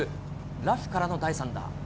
ラフからの第３打。